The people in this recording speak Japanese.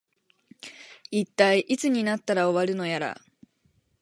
いったい、いつになったら終わるのやら